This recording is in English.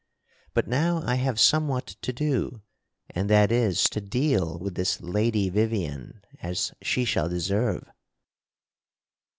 But now I have somewhat to do, and that is to deal with this lady Vivien as she shall deserve."